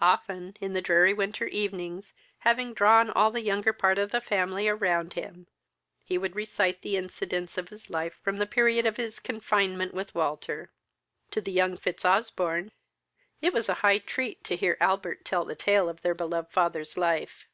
Often, in the dreary winter evenings, having drawn all the younger part of the family around him, he would recite the incidents of his life from the period of his confinement with Walter. To the young Fitzosbournes it was a high treat to hear Albert tell the tale of their beloved father's life.